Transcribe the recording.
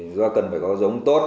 do cần phải có giống tốt